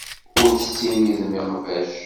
Ur tessiridem iqbac.